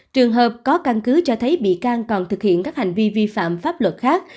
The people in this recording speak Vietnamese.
trường hợp có căn cứ cho thấy bị can còn thực hiện các hành vi vi phạm pháp luật khác